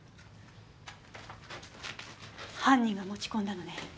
犯人が持ち込んだのね。